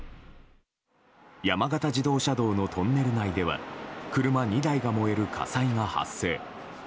山形自動車道のトンネル内では車２台が燃える火災が発生。